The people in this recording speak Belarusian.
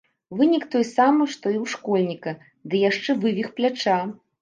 Вынік той самы што і ў школьніка, ды яшчэ вывіх пляча.